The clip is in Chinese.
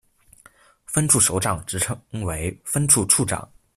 分处首长职称为分处处长。